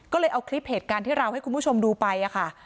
ก็เลยเอาคลิปเหตุการณ์ที่เราให้คุณผู้ชมดูไปค่ะ